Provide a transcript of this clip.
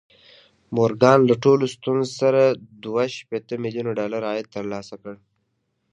مورګان له ټولو ستونزو سره سره دوه شپېته ميليونه ډالر عايد ترلاسه کړ.